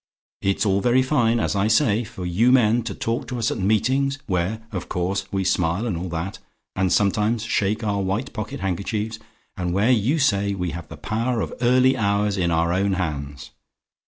It's all very fine, as I say, for you men to talk to us at meetings, where, of course, we smile and all that and sometimes shake our white pocket handkerchiefs and where you say we have the power of early hours in our own hands.